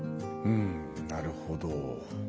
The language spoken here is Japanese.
うんなるほど。